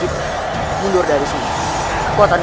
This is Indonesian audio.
ibu nia bagaimana ini